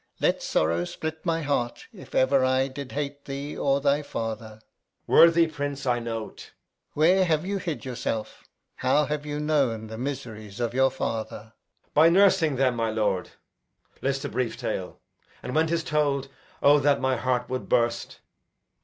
Let sorrow split my heart if ever I Did hate thee, or thy father! Edg. Worthy prince, I know't. Alb. Where have you hid yourself? How have you known the miseries of your father? Edg. By nursing them, my lord. List a brief tale; And when 'tis told, O that my heart would burst!